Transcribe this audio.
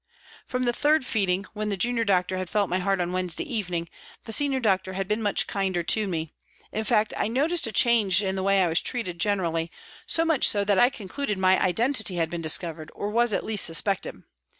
From the third feeding, when the junior doctor had felt my heart on Wednesday evening, the senior doctor had been much kinder to me ; in fact I noticed a change in the way I was treated generally, so much so that I concluded my identity had been discovered or was at least suspected.